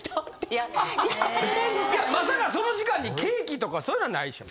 いやまさかその時間にケーキとかそういうのはないでしょ？